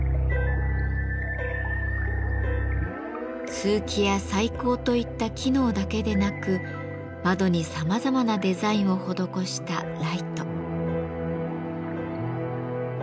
通気や採光といった機能だけでなく窓にさまざまなデザインを施したライト。